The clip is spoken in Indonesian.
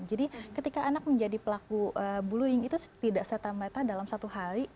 jadi ketika anak menjadi pelaku bullying itu tidak serta merta dalam satu hari